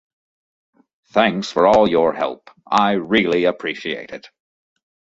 Thanks for all your help. I really appreciate it.